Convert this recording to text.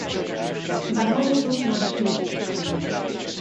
"Banany są smaczne."